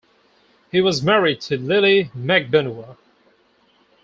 He was married to Lily Magbanua.